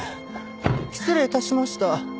失礼致しました。